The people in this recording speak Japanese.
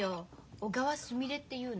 小川すみれっていうの。